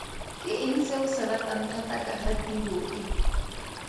Ke eng se o se ratang thata ka ga tiro e?